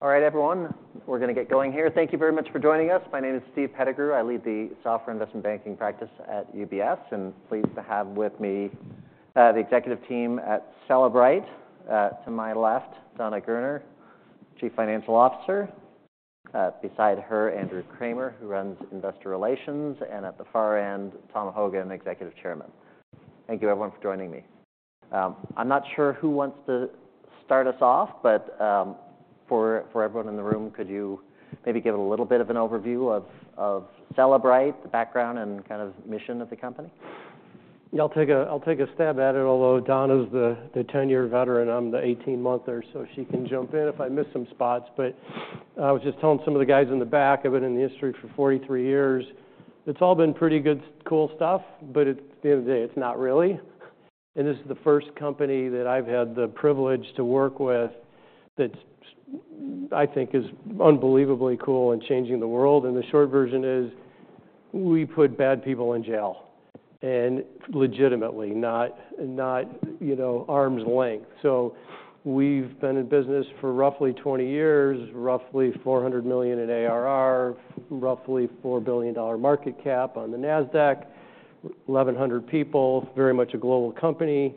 All right, everyone. We're gonna get going here. Thank you very much for joining us. My name is Steve Pettigrew. I lead the software investment banking practice at UBS, and I'm pleased to have with me, the executive team at Cellebrite. To my left, Dana Gerner, Chief Financial Officer. Beside her, Andrew Cramer, who runs investor relations, and at the far end, Tom Hogan, Executive Chairman. Thank you, everyone, for joining me. I'm not sure who wants to start us off, but for everyone in the room, could you maybe give a little bit of an overview of Cellebrite, the background, and kind of mission of the company? Yeah, I'll take a stab at it, although Dana's the 10-year veteran. I'm the 18-monther, so she can jump in if I miss some spots. But I was just telling some of the guys in the back. I've been in the industry for 43 years. It's all been pretty good, cool stuff, but at the end of the day, it's not really. This is the first company that I've had the privilege to work with that's, I think, unbelievably cool and changing the world. The short version is we put bad people in jail, and legitimately, not you know, arm's length. So we've been in business for roughly 20 years, roughly $400 million in ARR, roughly $4 billion market cap on the Nasdaq, 1,100 people, very much a global company.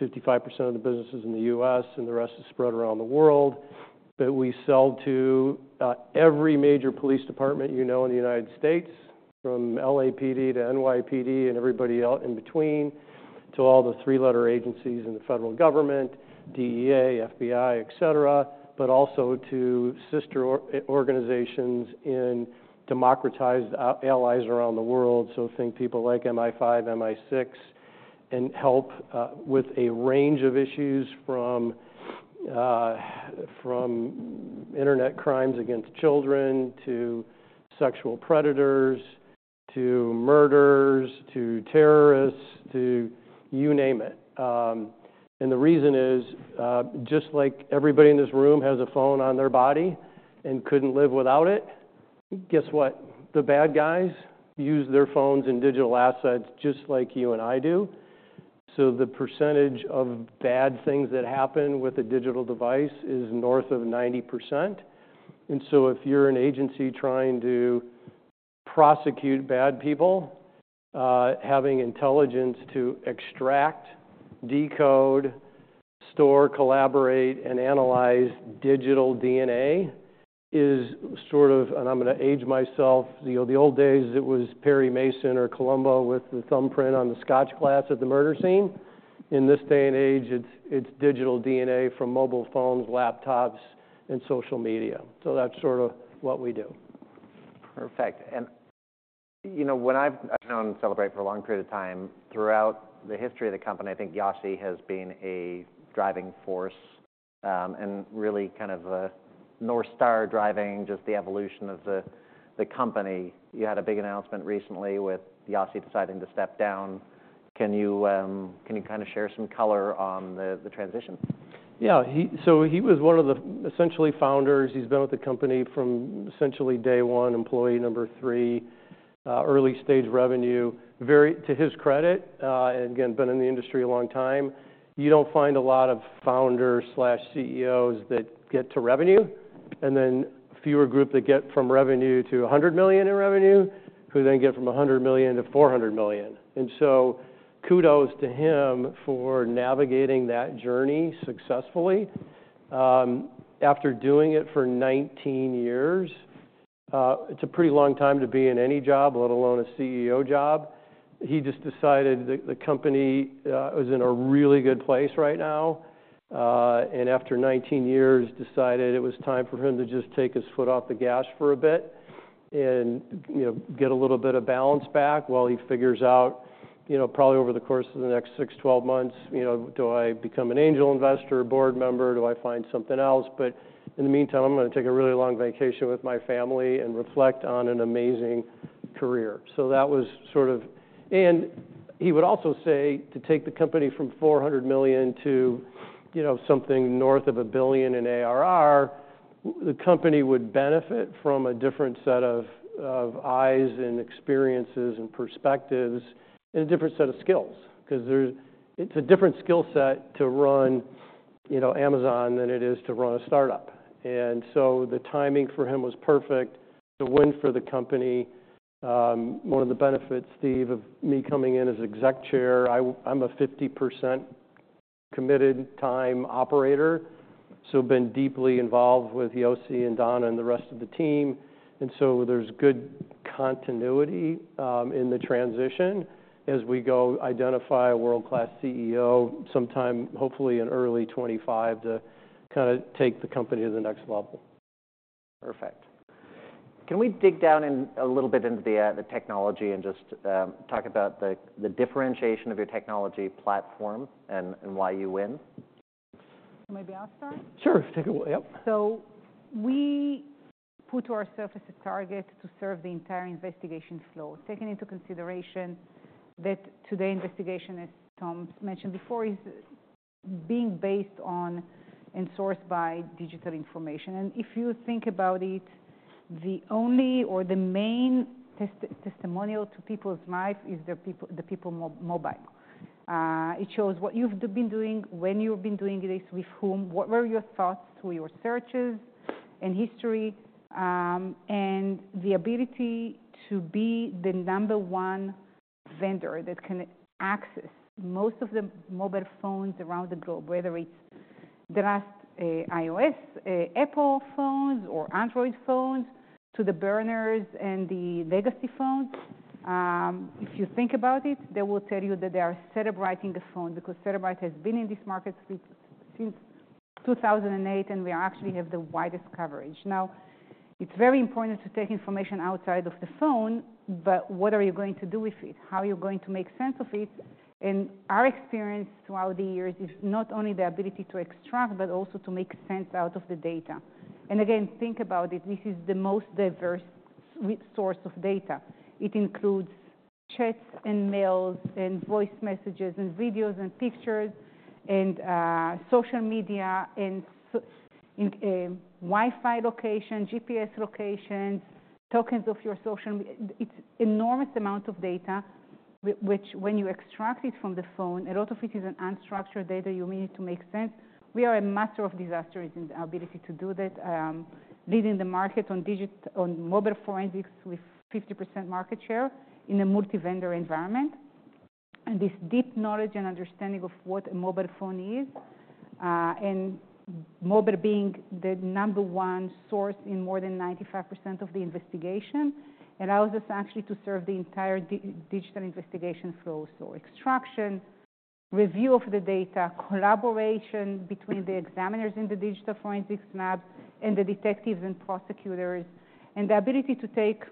55% of the business is in the US, and the rest is spread around the world. But we sell to every major police department you know in the United States, from LAPD to NYPD and everybody else in between, to all the three-letter agencies in the federal government, DEA, FBI, etc., but also to sister organizations in democratic allies around the world. So think people like MI5, MI6, and help with a range of issues from internet crimes against children to sexual predators to murders to terrorists to you name it. The reason is, just like everybody in this room has a phone on their body and couldn't live without it, guess what? The bad guys use their phones and digital assets just like you and I do. So the percentage of bad things that happen with a digital device is north of 90%. And so if you're an agency trying to prosecute bad people, having intelligence to extract, decode, store, collaborate, and analyze digital DNA is sort of, and I'm gonna age myself, you know, the old days it was Perry Mason or Columbo with the thumbprint on the scotch glass at the murder scene. In this day and age, it's digital DNA from mobile phones, laptops, and social media. So that's sort of what we do. Perfect, and you know, when I've known Cellebrite for a long period of time, throughout the history of the company, I think Yossi has been a driving force, and really kind of a North Star driving just the evolution of the company. You had a big announcement recently with Yossi deciding to step down. Can you kind of share some color on the transition? Yeah. He was one of the essentially founders. He's been with the company from essentially day one, employee number three, early stage revenue, very to his credit, and again, been in the industry a long time. You don't find a lot of founders/CEOs that get to revenue, and then a fewer group that get from revenue to $100 million in revenue, who then get from $100 million to $400 million. Kudos to him for navigating that journey successfully. After doing it for 19 years, it's a pretty long time to be in any job, let alone a CEO job. He just decided that the company was in a really good place right now, and after 19 years decided it was time for him to just take his foot off the gas for a bit and, you know, get a little bit of balance back while he figures out, you know, probably over the course of the next 6-12 months, you know, do I become an angel investor, a board member, do I find something else? But in the meantime, I'm gonna take a really long vacation with my family and reflect on an amazing career. So that was sort of, and he would also say to take the company from $400 million to, you know, something north of $1 billion in ARR. The company would benefit from a different set of eyes and experiences and perspectives and a different set of skills 'cause it's a different skill set to run, you know, Amazon than it is to run a startup. And so the timing for him was perfect to win for the company. One of the benefits, Steve, of me coming in as exec chair, I'm a 50% committed time operator, so been deeply involved with Yossi and Dana and the rest of the team. And so there's good continuity in the transition as we go identify a world-class CEO sometime, hopefully in early 2025, to kinda take the company to the next level. Perfect. Can we dig down in a little bit into the technology and just talk about the differentiation of your technology platform and why you win? Can maybe I start? Sure. Take away. So we put ourselves as a target to serve the entire investigation flow, taking into consideration that today's investigation, as Tom mentioned before, is being based on and sourced by digital information. And if you think about it, the only or the main testimonial to people's life is their mobile. It shows what you've been doing, when you've been doing this, with whom, what were your thoughts through your searches and history, and the ability to be the number one vendor that can access most of the mobile phones around the globe, whether it's the latest iOS, Apple phones or Android phones to the burners and the legacy phones. If you think about it, they will tell you that they are Cellebrite in the phone because Cellebrite has been in this market since 2008, and we actually have the widest coverage. Now, it's very important to take information outside of the phone, but what are you going to do with it? How are you going to make sense of it, and our experience throughout the years is not only the ability to extract but also to make sense out of the data, and again, think about it. This is the most diverse source of data. It includes chats and mails and voice messages and videos and pictures, and social media and so on, Wi-Fi location, GPS locations, tokens of your social media. It's an enormous amount of data, which when you extract it from the phone, a lot of it is unstructured data. You may need to make sense. We are a master of disasters in our ability to do that, leading the market in digital mobile forensics with 50% market share in a multi-vendor environment. This deep knowledge and understanding of what a mobile phone is, and mobile being the number one source in more than 95% of the investigation, allows us actually to serve the entire digital investigation flow. Extraction, review of the data, collaboration between the examiners in the digital forensics lab and the detectives and prosecutors, and the ability to take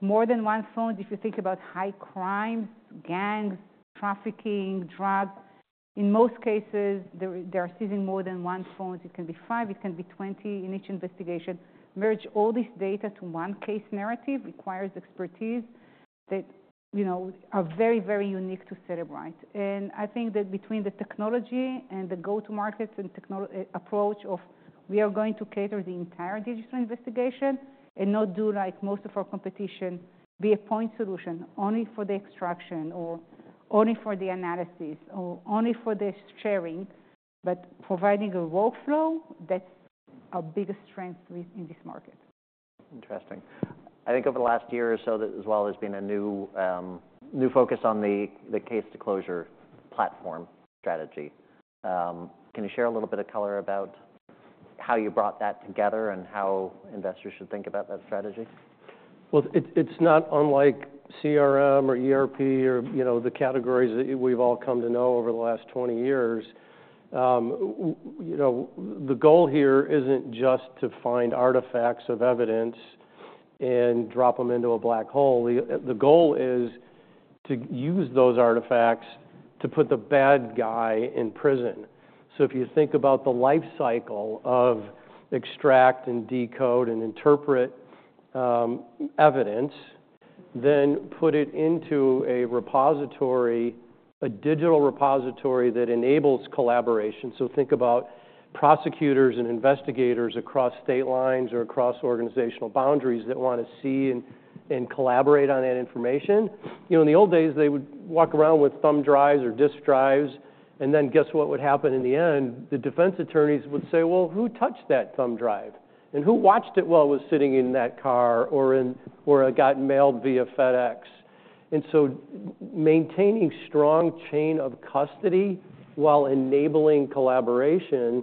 more than one phone. If you think about high crimes, gangs, trafficking, drugs, in most cases, they're seizing more than one phone. It can be five. It can be 20 in each investigation. Merge all this data to one case narrative requires expertise that, you know, are very, very unique to Cellebrite. I think that between the technology and the go-to-market and technology approach of we are going to cater the entire digital investigation and not do like most of our competition, be a point solution only for the extraction or only for the analysis or only for the sharing, but providing a workflow that's our biggest strength in this market. Interesting. I think over the last year or so that as well there's been a new focus on the Case-to-Closure platform strategy. Can you share a little bit of color about how you brought that together and how investors should think about that strategy? It's not unlike CRM or ERP or, you know, the categories that we've all come to know over the last 20 years. You know, the goal here isn't just to find artifacts of evidence and drop them into a black hole. The goal is to use those artifacts to put the bad guy in prison. So if you think about the life cycle of extract and decode and interpret evidence, then put it into a repository, a digital repository that enables collaboration. So think about prosecutors and investigators across state lines or across organizational boundaries that wanna see and collaborate on that information. You know, in the old days, they would walk around with thumb drives or disk drives, and then guess what would happen in the end? The defense attorneys would say, "Well, who touched that thumb drive? And who watched it while it was sitting in that car or in it got mailed via FedEx?" And so maintaining a strong chain of custody while enabling collaboration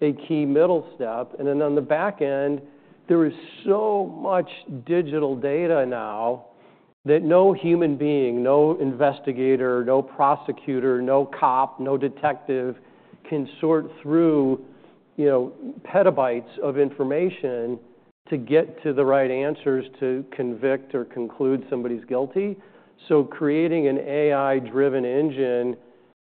is a key middle step. And then on the back end, there is so much digital data now that no human being, no investigator, no prosecutor, no cop, no detective can sort through, you know, petabytes of information to get to the right answers to convict or conclude somebody's guilty. So creating an AI-driven engine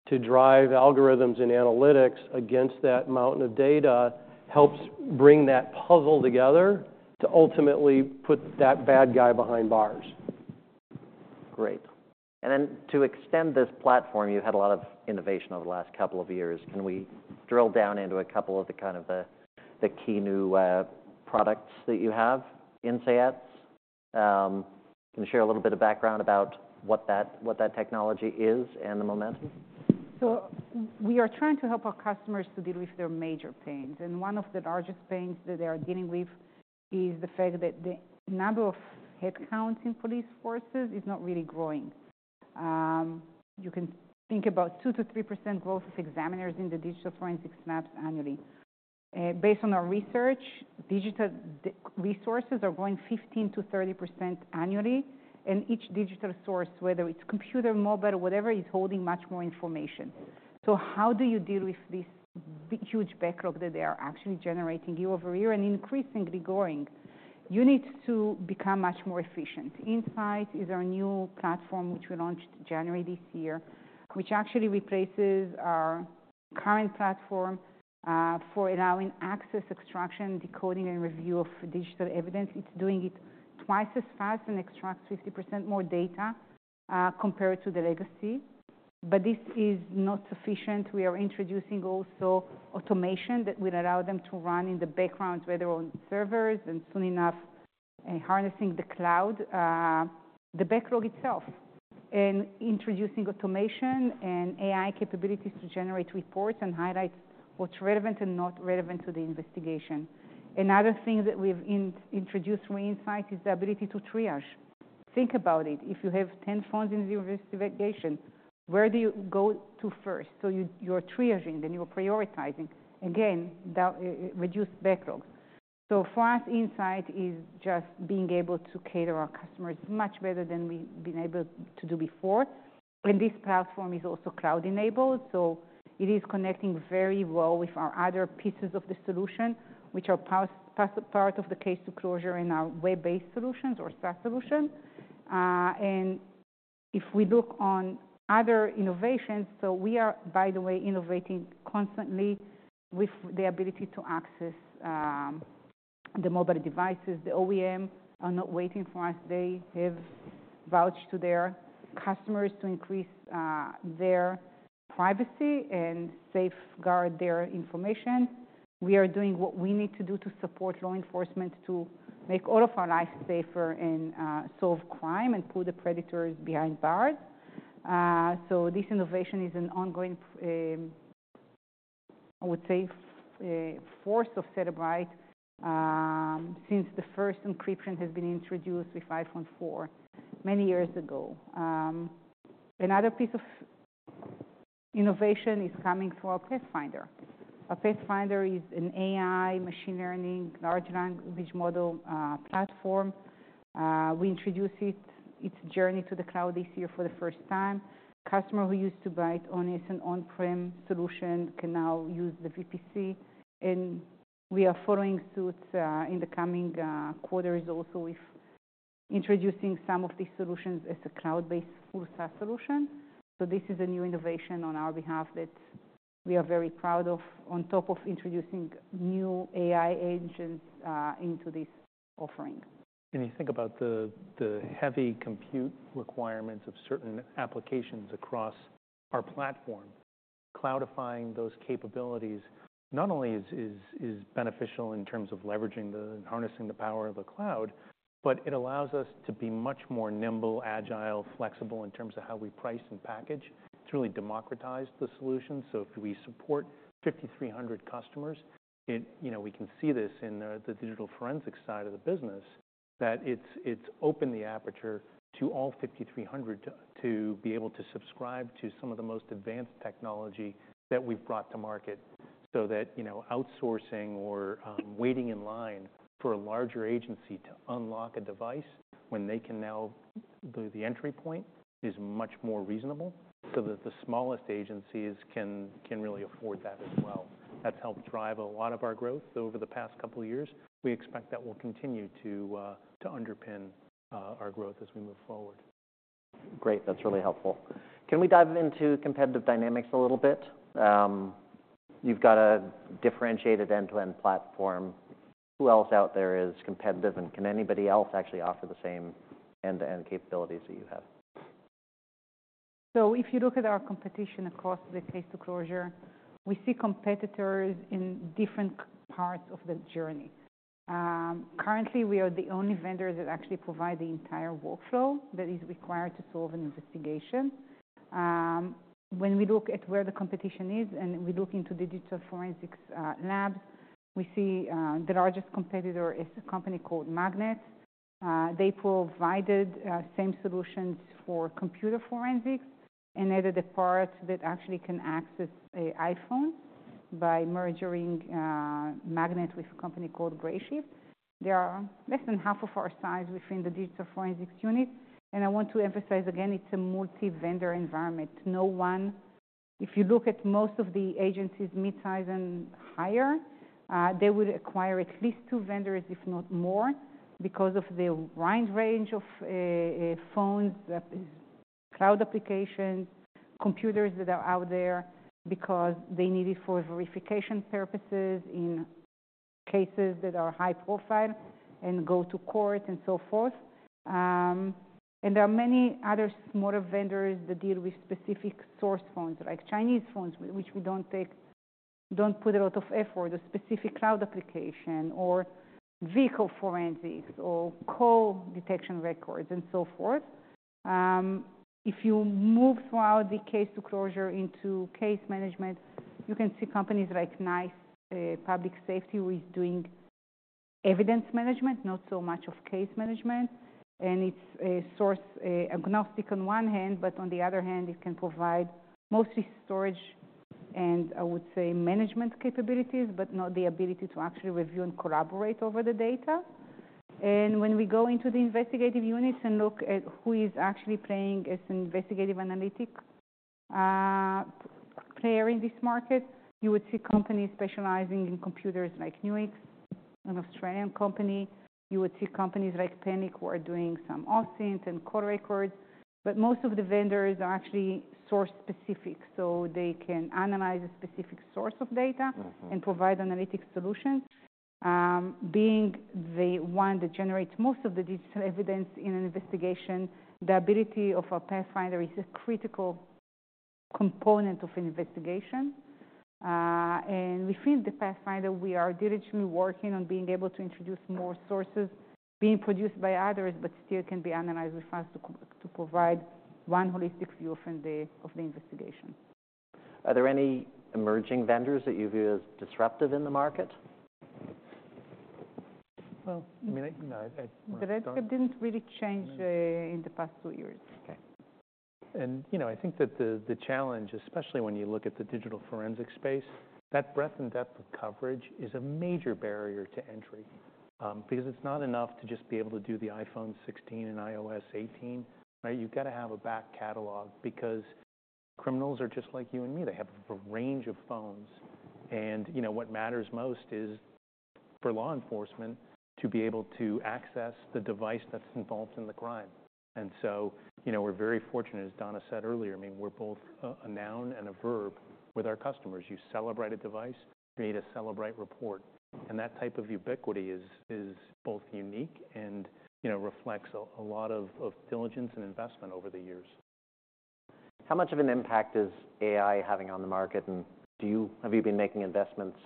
to drive algorithms and analytics against that mountain of data helps bring that puzzle together to ultimately put that bad guy behind bars. Great. And then to extend this platform, you've had a lot of innovation over the last couple of years. Can we drill down into a couple of the key new products that you have in Inseyets? Can you share a little bit of background about what that technology is and the momentum? So we are trying to help our customers to deal with their major pains. And one of the largest pains that they are dealing with is the fact that the number of headcounts in police forces is not really growing. You can think about 2%-3% growth of examiners in the digital forensics labs annually. Based on our research, digital resources are growing 15%-30% annually, and each digital source, whether it's computer, mobile, whatever, is holding much more information. So how do you deal with this huge backlog that they are actually generating year over year and increasingly growing? You need to become much more efficient. Inseyets is our new platform, which we launched January this year, which actually replaces our current platform, for allowing access, extraction, decoding, and review of digital evidence. It's doing it twice as fast and extracts 50% more data, compared to the legacy. But this is not sufficient. We are introducing also automation that will allow them to run in the background, whether on servers, and soon enough, harnessing the cloud, the backlog itself, and introducing automation and AI capabilities to generate reports and highlight what's relevant and not relevant to the investigation. Another thing that we've introduced through Inseyets is the ability to triage. Think about it. If you have 10 phones in the investigation, where do you go to first? So you're triaging, then you're prioritizing. Again, that reduces backlogs. So for us, Inseyets is just being able to cater our customers much better than we've been able to do before. And this platform is also cloud-enabled, so it is connecting very well with our other pieces of the solution, which are part of the Case-to-Closure and our web-based solutions or SaaS solution. If we look on other innovations, we are, by the way, innovating constantly with the ability to access the mobile devices. The OEM are not waiting for us. They have vowed to their customers to increase their privacy and safeguard their information. We are doing what we need to do to support law enforcement to make all of our lives safer and solve crime and put the predators behind bars. This innovation is an ongoing, I would say, force of Cellebrite, since the first encryption has been introduced with iPhone 4 many years ago. Another piece of innovation is coming through our Pathfinder. Our Pathfinder is an AI, machine learning, large language model platform. We introduced its journey to the cloud this year for the first time. Customers who used to buy it on an on-prem solution can now use the VPC, and we are following suit in the coming quarters also with introducing some of these solutions as a cloud-based full SaaS solution, so this is a new innovation on our behalf that we are very proud of, on top of introducing new AI agents into this offering. You think about the heavy compute requirements of certain applications across our platform. Cloudifying those capabilities not only is beneficial in terms of leveraging harnessing the power of the cloud, but it allows us to be much more nimble, agile, flexible in terms of how we price and package. It's really democratized the solution. So if we support 5,300 customers, you know, we can see this in the digital forensics side of the business that it's opened the aperture to all 5,300 to be able to subscribe to some of the most advanced technology that we've brought to market so that, you know, outsourcing or waiting in line for a larger agency to unlock a device when they can now the entry point is much more reasonable so that the smallest agencies can really afford that as well. That's helped drive a lot of our growth over the past couple of years. We expect that will continue to underpin our growth as we move forward. Great. That's really helpful. Can we dive into competitive dynamics a little bit? You've got a differentiated end-to-end platform. Who else out there is competitive, and can anybody else actually offer the same end-to-end capabilities that you have? So if you look at our competition across the Case-to-Closure, we see competitors in different parts of the journey. Currently, we are the only vendor that actually provides the entire workflow that is required to solve an investigation. When we look at where the competition is and we look into digital forensics labs, we see the largest competitor is a company called Magnet. They provided same solutions for computer forensics and added a part that actually can access iPhones by merging Magnet with a company called Grayshift. They are less than half of our size within the digital forensics unit. And I want to emphasize again, it's a multi-vendor environment. No one, if you look at most of the agencies mid-size and higher, they would acquire at least two vendors, if not more, because of the wide range of phones, cloud applications, computers that are out there because they need it for verification purposes in cases that are high profile and go to court and so forth, and there are many other smaller vendors that deal with specific source phones like Chinese phones, which we don't take, don't put a lot of effort, a specific cloud application or vehicle forensics or call detection records and so forth, if you move throughout the Case-to-Closure into case management, you can see companies like NICE Public Safety, who is doing evidence management, not so much of case management. It's a source agnostic on one hand, but on the other hand, it can provide mostly storage and, I would say, management capabilities, but not the ability to actually review and collaborate over the data. When we go into the investigative units and look at who is actually playing as an investigative analytic player in this market, you would see companies specializing in computers like Nuix, an Australian company. You would see companies like PenLink, who are doing some OSINT and call records. But most of the vendors are actually source-specific, so they can analyze a specific source of data and provide analytic solutions. Being the one that generates most of the digital evidence in an investigation, the ability of our Pathfinder is a critical component of an investigation. And within the Pathfinder, we are diligently working on being able to introduce more sources being produced by others but still can be analyzed with us to provide one holistic view of the investigation. Are there any emerging vendors that you view as disruptive in the market? I mean, you know, I don't. But that, that didn't really change in the past two years. Okay. And, you know, I think that the challenge, especially when you look at the digital forensics space, that breadth and depth of coverage is a major barrier to entry, because it's not enough to just be able to do the iPhone 16 and iOS 18, right? You've got to have a back catalog because criminals are just like you and me. They have a range of phones. And, you know, what matters most is for law enforcement to be able to access the device that's involved in the crime. And so, you know, we're very fortunate, as Dana said earlier. I mean, we're both a noun and a verb with our customers. You Cellebrite a device, you need to Cellebrite report. And that type of ubiquity is both unique and, you know, reflects a lot of diligence and investment over the years. How much of an impact is AI having on the market, and have you been making investments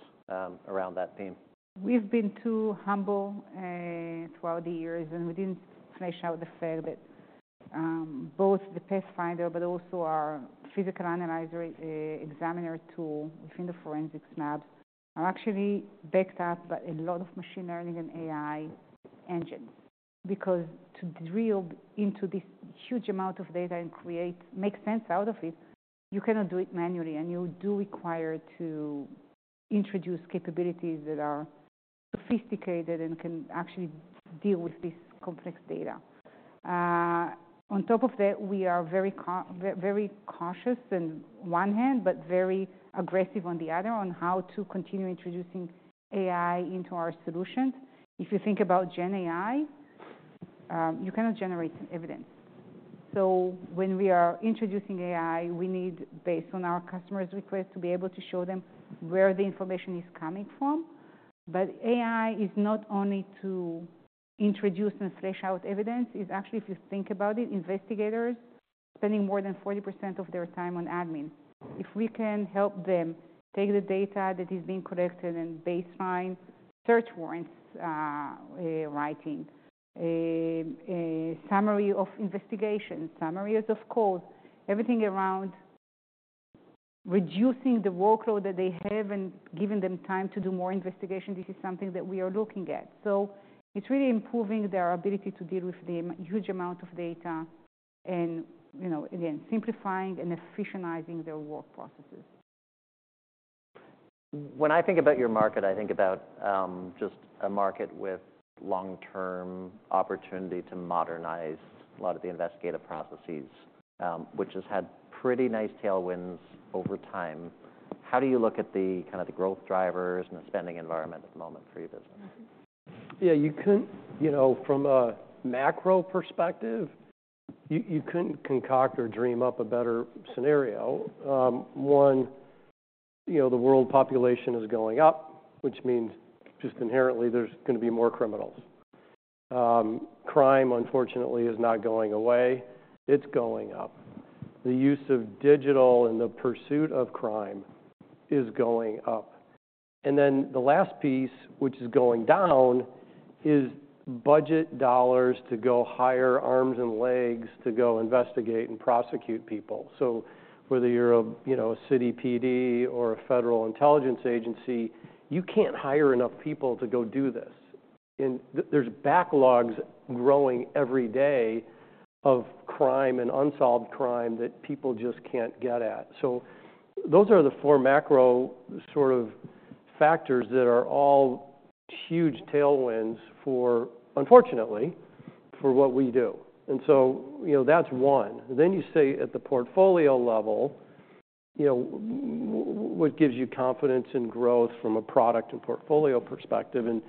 around that theme? We've been too humble, throughout the years, and we didn't flesh out the fact that, both the Pathfinder but also our Physical Analyzer, examiner tool within the forensics labs are actually backed up by a lot of machine learning and AI engines because to drill into this huge amount of data and make sense out of it, you cannot do it manually, and you do require to introduce capabilities that are sophisticated and can actually deal with this complex data. On top of that, we are very cautious on one hand, but very aggressive on the other on how to continue introducing AI into our solutions. If you think about GenAI, you cannot generate evidence. So when we are introducing AI, we need, based on our customers' request, to be able to show them where the information is coming from. But AI is not only to introduce and flesh out evidence. It's actually, if you think about it, investigators are spending more than 40% of their time on admin. If we can help them take the data that is being collected and baseline search warrants, writing, summary of investigations, summaries of calls, everything around reducing the workload that they have and giving them time to do more investigation, this is something that we are looking at. So it's really improving their ability to deal with the huge amount of data and, you know, again, simplifying and efficientizing their work processes. When I think about your market, I think about, just a market with long-term opportunity to modernize a lot of the investigative processes, which has had pretty nice tailwinds over time. How do you look at the kind of the growth drivers and the spending environment at the moment for your business? Yeah. You couldn't, you know, from a macro perspective, you couldn't concoct or dream up a better scenario. One, you know, the world population is going up, which means just inherently there's gonna be more criminals. Crime, unfortunately, is not going away. It's going up. The use of digital and the pursuit of crime is going up. And then the last piece, which is going down, is budget dollars to go hire arms and legs to go investigate and prosecute people. So whether you're a, you know, a city PD or a federal intelligence agency, you can't hire enough people to go do this. And there's backlogs growing every day of crime and unsolved crime that people just can't get at. So those are the four macro sort of factors that are all huge tailwinds for, unfortunately, for what we do. And so, you know, that's one. Then you say at the portfolio level, you know, what gives you confidence in growth from a product and portfolio perspective? And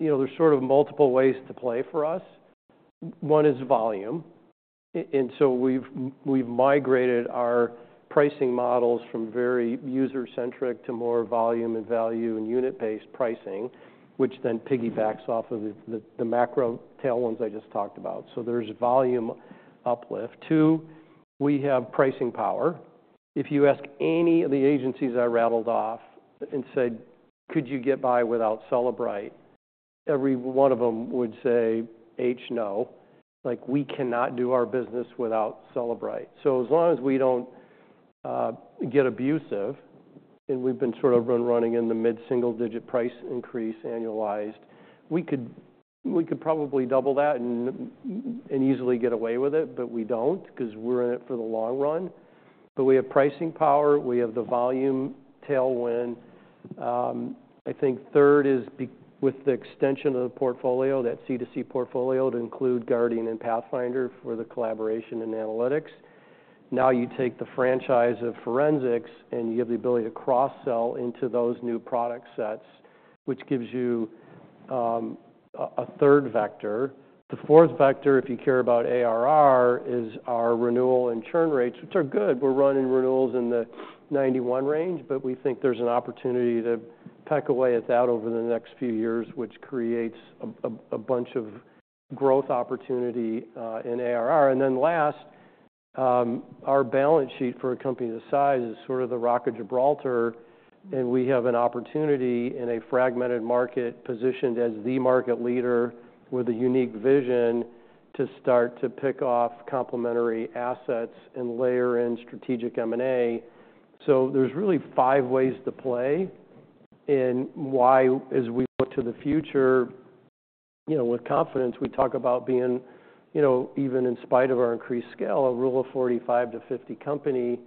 you know, there's sort of multiple ways to play for us. One is volume. And so we've migrated our pricing models from very user-centric to more volume and value and unit-based pricing, which then piggybacks off of the macro tailwinds I just talked about. So there's volume uplift. Two, we have pricing power. If you ask any of the agencies I rattled off and said, "Could you get by without Cellebrite?" every one of them would say, "Hell, no." Like, "We cannot do our business without Cellebrite." So as long as we don't get abusive, and we've been sort of running in the mid-single-digit price increase annualized, we could probably double that and easily get away with it, but we don't 'cause we're in it for the long run. But we have pricing power. We have the volume tailwind. I think third is key with the extension of the portfolio, that C2C portfolio to include Guardian and Pathfinder for the collaboration and analytics. Now you take the franchise of forensics, and you have the ability to cross-sell into those new product sets, which gives you a third vector. The fourth vector, if you care about ARR, is our renewal and churn rates, which are good. We're running renewals in the 91% range, but we think there's an opportunity to peck away at that over the next few years, which creates a bunch of growth opportunity in ARR. And then last, our balance sheet for a company this size is sort of the Rock of Gibraltar, and we have an opportunity in a fragmented market positioned as the market leader with a unique vision to start to pick off complementary assets and layer in strategic M&A. So there's really five ways to play. Why, as we look to the future, you know, with confidence, we talk about being, you know, even in spite of our increased scale, a Rule of 45 to 50 company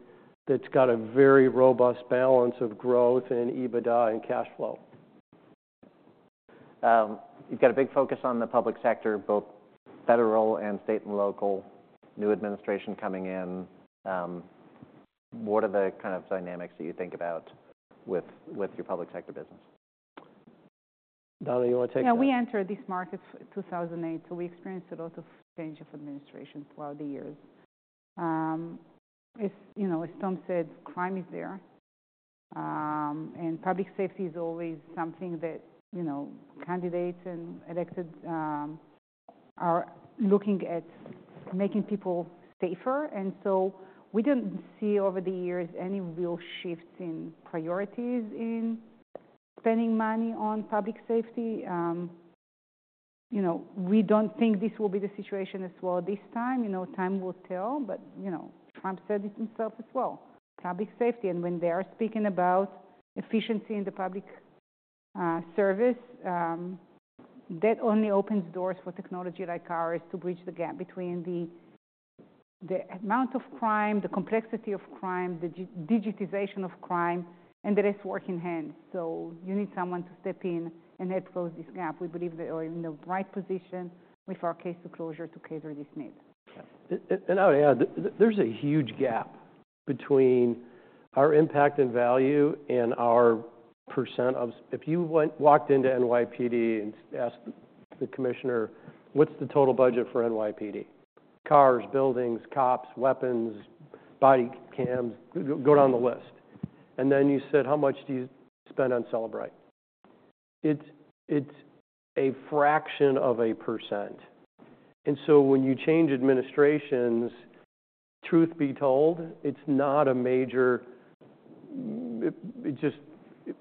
that's got a very robust balance of growth and EBITDA and cash flow. You've got a big focus on the public sector, both federal and state and local, new administration coming in. What are the kind of dynamics that you think about with your public sector business? Dana, you wanna take that? Yeah. We entered this market in 2008, so we experienced a lot of change of administration throughout the years. As you know, as Tom said, crime is there. And public safety is always something that, you know, candidates and elected are looking at making people safer. And so we didn't see over the years any real shifts in priorities in spending money on public safety. You know, we don't think this will be the situation as well this time. You know, time will tell, but you know, Trump said it himself as well. Public safety, and when they are speaking about efficiency in the public service, that only opens doors for technology like ours to bridge the gap between the amount of crime, the complexity of crime, the digitization of crime, and the less working hands. So you need someone to step in and help close this gap. We believe they are in the right position with our Case-to-Closure to cater this need. Yeah. And I would add, there's a huge gap between our impact and value and our percentage. If you walked into NYPD and asked the commissioner, "What's the total budget for NYPD?" Cars, buildings, cops, weapons, body cams, go down the list. And then you said, "How much do you spend on Cellebrite?" It's a fraction of a percent. And so when you change administrations, truth be told, it's not a major it. It just,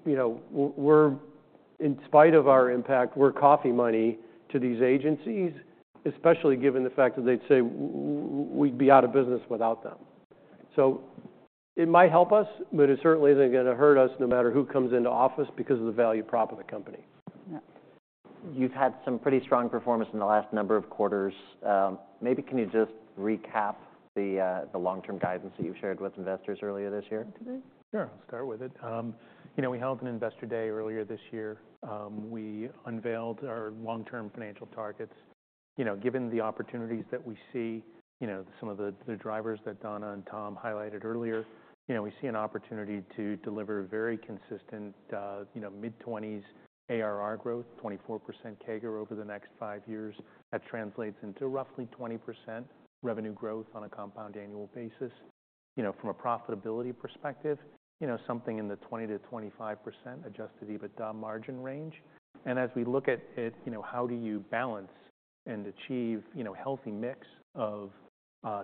you know, we're, in spite of our impact, we're coffee money to these agencies, especially given the fact that they'd say we'd be out of business without them. So it might help us, but it certainly isn't gonna hurt us no matter who comes into office because of the value prop of the company. Yeah. You've had some pretty strong performance in the last number of quarters. Maybe can you just recap the long-term guidance that you've shared with investors earlier this year? Sure. I'll start with it. You know, we held an investor day earlier this year. We unveiled our long-term financial targets. You know, given the opportunities that we see, you know, some of the, the drivers that Dana and Tom highlighted earlier, you know, we see an opportunity to deliver very consistent, you know, mid-20s ARR growth, 24% CAGR over the next five years. That translates into roughly 20% revenue growth on a compound annual basis. You know, from a profitability perspective, you know, something in the 20%-25% adjusted EBITDA margin range. And as we look at it, you know, how do you balance and achieve, you know, a healthy mix of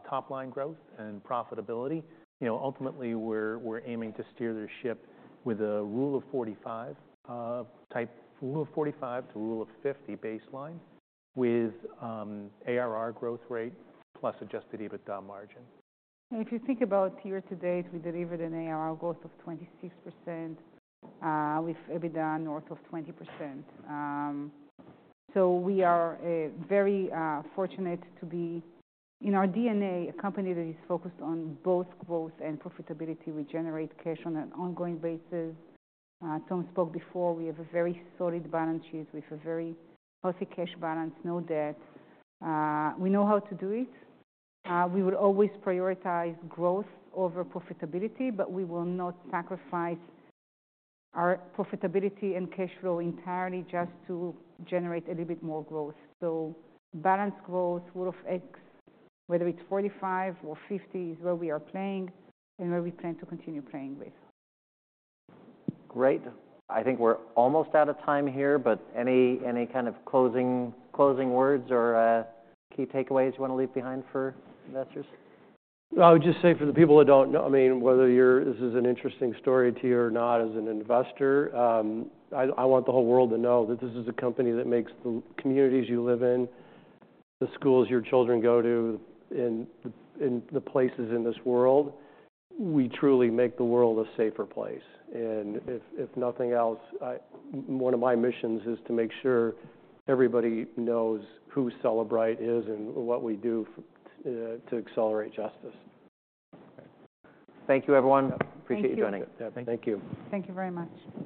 top-line growth and profitability? You know, ultimately, we're aiming to steer this ship with a Rule of 45, type Rule of 45 to Rule of 50 baseline with ARR growth rate plus adjusted EBITDA margin. And if you think about year to date, we delivered an ARR growth of 26%, with EBITDA north of 20%. So we are very fortunate to be in our DNA, a company that is focused on both growth and profitability. We generate cash on an ongoing basis. Tom spoke before. We have a very solid balance sheet. We have a very healthy cash balance, no debt. We know how to do it. We will always prioritize growth over profitability, but we will not sacrifice our profitability and cash flow entirely just to generate a little bit more growth. So balanced growth, rule of 45, whether it's 45 or 50 is where we are playing and where we plan to continue playing with. Great. I think we're almost out of time here, but any kind of closing words or key takeaways you wanna leave behind for investors? I would just say for the people that don't know, I mean, whether or not this is an interesting story to you or not as an investor, I want the whole world to know that this is a company that makes the communities you live in, the schools your children go to, and the places in this world safer. We truly make the world a safer place. If nothing else, one of my missions is to make sure everybody knows who Cellebrite is and what we do to accelerate justice. Thank you, everyone. Appreciate you joining. Yeah. Thank you. Thank you. Thank you very much.